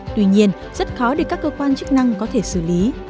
tuy nhiên rất khó để các cơ quan chức năng có thể xử lý